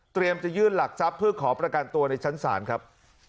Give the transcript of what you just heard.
จะยื่นหลักทรัพย์เพื่อขอประกันตัวในชั้นศาลครับ